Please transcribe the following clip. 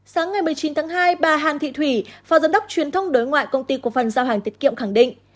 sáng ngày một mươi chín tháng hai bà han thị thủy phó giám đốc truyền thông đối ngoại công ty cổ phần giao hàng tiết kiệm khẳng định